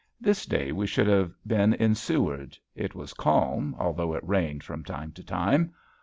This day we should have been in Seward. It was calm although it rained from time to time.